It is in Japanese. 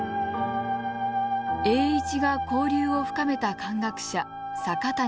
栄一が交流を深めた漢学者阪谷朗廬。